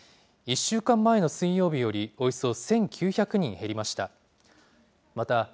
１週間前の水曜日より、およそ１９００人減りました。